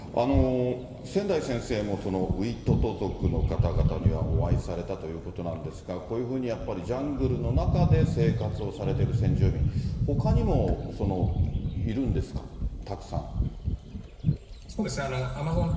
千代先生も、ウイトト族の方々にはお会いされたということなんですが、こういうふうにやっぱりジャングルの中で生活をされている先住民、そうですね、アマゾン